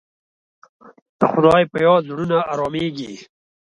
د خدای په یاد زړونه ارامېږي.